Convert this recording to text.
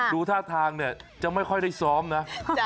ดูท่าทางเนี่ยจะไม่ค่อยได้ซ้อมนะ